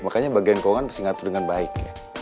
makanya bagian keuangan mesti ngatur dengan baik